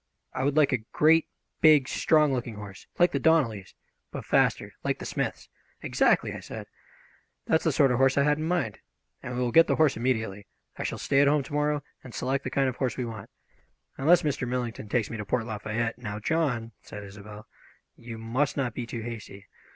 I would like a great, big, strong looking horse, like the Donelleys', but faster, like the Smiths'." "Exactly," I said. "That's the sort of horse I had in mind. And we will get the horse immediately. I shall stay at home tomorrow and select the kind of horse we want, unless Mr. Millington takes me to Port Lafayette " "Now, John," said Isobel, "you must not be too hasty.